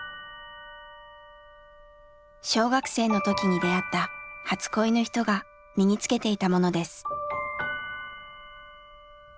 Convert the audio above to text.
小学生の時に出会った初恋の人が身に着けていたものです。